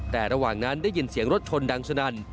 แต่ระหว่างนั้นได้ยินเสียงรถชนดังสนั่น